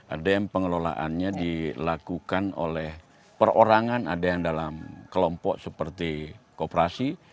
ada yang pengelolaannya dilakukan oleh perorangan ada yang dalam kelompok seperti kooperasi